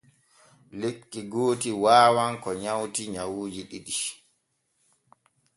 Lekki gooti waawan ko nywati nyawuuji ɗiɗi.